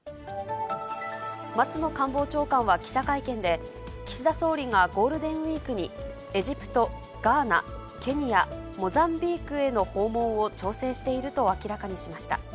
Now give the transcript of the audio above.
松野官房長官は記者会見で、岸田総理がゴールデンウィークにエジプト、ガーナ、ケニア、モザンビークへの訪問を調整していると明らかにしました。